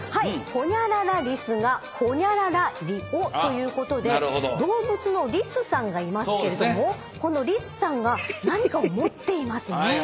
「ホニャララリスがホニャララりを」ということで動物のリスさんがいますけれどもこのリスさんが何かを持っていますね。